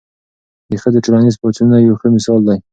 د ښځو ټولنیز پاڅونونه یو ښه مثال دی.